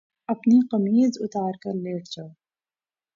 أپنی قمیض اُتار کر لیٹ جاؤ